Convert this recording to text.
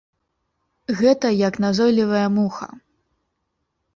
Гэта як назойлівая муха.